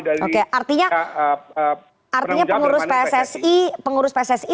artinya pengurus pssi